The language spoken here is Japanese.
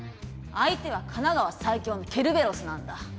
相手は神奈川最強のケルベロスなんだ。